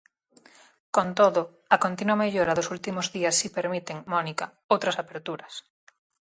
Con todo, a continua mellora dos últimos días si permiten, Mónica, outras aperturas.